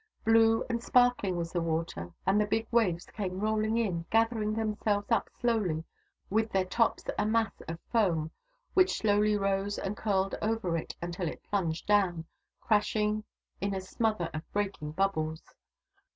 Blue and sparkling was the water, and the big waves came rolling in, gathering themselves up slowly with their tops a mass of foam, which slowly rose and curled over until it plunged down, crashing in a smother of breaking bubbles.